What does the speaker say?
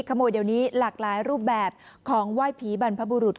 ขโมยเดี๋ยวนี้หลากหลายรูปแบบของไหว้ผีบรรพบุรุษ